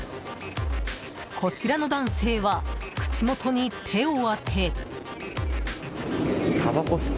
こちらの男性は口元に手を当て。